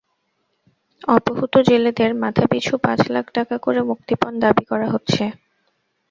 অপহূত জেলেদের মাথাপিছু পাঁচ লাখ টাকা করে মুক্তিপণ দাবি করা হচ্ছে।